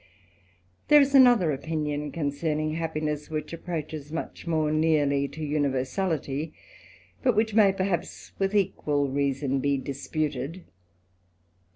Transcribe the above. There is another opinion concerning happiness, which ^roaches much more nearly to universality, but which may, perhaps, with equal reason be disputed.